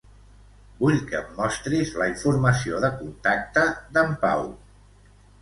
Vull que em mostris la informació de contacte d'en Pau.